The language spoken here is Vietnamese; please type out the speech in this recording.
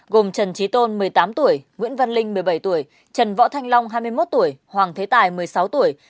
gồm trần trí tôn một mươi tám tuổi nguyễn văn linh một mươi bảy tuổi trần võ thanh long hai mươi một tuổi hoàng thế tài một mươi sáu tuổi